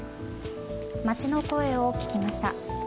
街の声を聞きました。